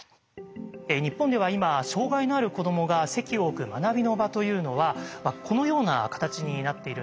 日本では今障害のある子どもが籍を置く学びの場というのはこのような形になっているんです。